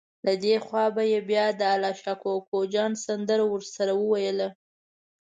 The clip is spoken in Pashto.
له دې خوا به یې بیا د الله شا کوکو جان سندره ورسره وویله.